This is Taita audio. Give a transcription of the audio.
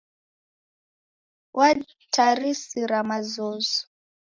Waditarisira mazozo.